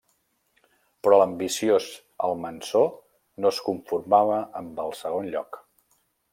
Però l'ambiciós Almansor no es conformava amb el segon lloc.